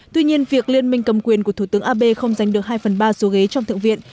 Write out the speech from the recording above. tuy nhiên việc liên minh cầm quyền của thủ tướng abe không giành được hai phần ba số ghế trong thượng viện